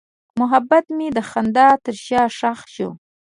محبت مې د خندا تر شا ښخ شو.